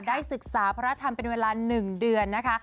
ได้ศึกษาพระธรรมเป็นเวลา๑เดือนนะคะ